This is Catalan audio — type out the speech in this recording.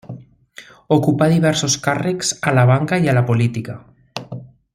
Ocupà diversos càrrecs a la banca i a la política.